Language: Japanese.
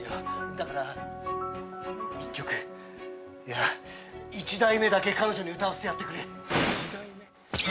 だから１曲いや１題目だけ彼女に歌わせてやってくれ。